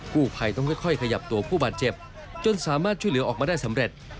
ผู้ภัยต้องค่อยขยับตัวผู้บาดเจ็บจนสามารถช่วยเหลือออกมาได้สำเร็จ